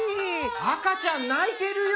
・あかちゃんないてるよ。